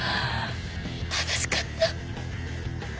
正しかった。